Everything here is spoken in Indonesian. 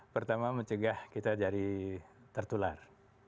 pertama mencegah kita jadi tertular